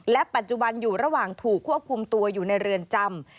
ปัจจุบันอยู่ระหว่างถูกควบคุมตัวอยู่ในเรือนจำ